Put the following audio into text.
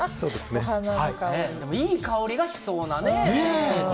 いい香りがしそうなね。